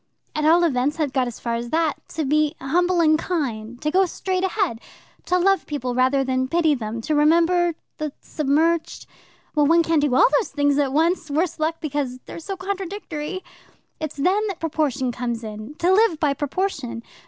At all events, I've got as far as that. To be humble and kind, to go straight ahead, to love people rather than pity them, to remember the submerged well, one can't do all these things at once, worse luck, because they're so contradictory. It's then that proportion comes in to live by proportion.